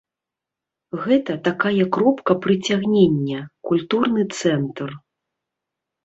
Гэта такая кропка прыцягнення, культурны цэнтр.